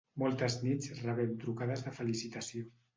Moltes nits rebem trucades de felicitació.